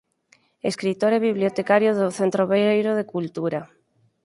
Escritor e bibliotecario do Centro Obreiro de Cultura.